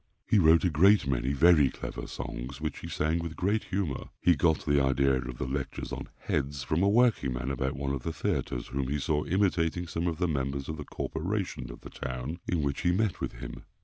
He wrote a great many very clever songs, which he sang with great humour. He got the idea of the lectures on "Heads" from a working man about one of the theatres, whom he saw imitating some of the members of the corporation of the town in which he met with him.